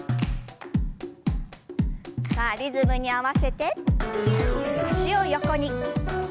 さあリズムに合わせて脚を横に。